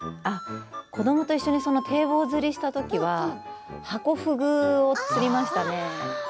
子どもと一緒に堤防釣りしたときはハコフグを釣りましたね。